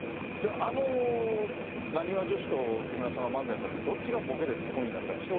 あのなにわ女子と木村さんが漫才やったときに、どっちがボケで、ツッコミになるか聞きたい。